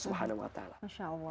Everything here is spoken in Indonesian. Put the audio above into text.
semua kembalikan kepada allah swt